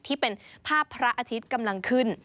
ที่เป็นภาพพระอาทิตย์กำลังขึ้น